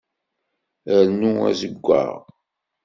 Rnu azeggaɣ.